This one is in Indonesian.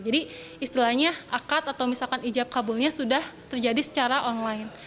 jadi istilahnya akad atau misalkan ijab kabulnya sudah terjadi secara online